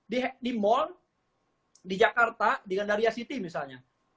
di mall di jakarta di gandaria city misalnya